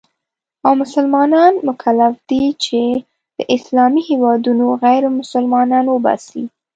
او مسلمانان مکلف دي چې له اسلامي هېوادونو غیرمسلمانان وباسي.